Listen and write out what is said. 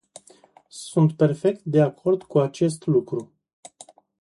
Sunt perfect de acord cu acest lucru.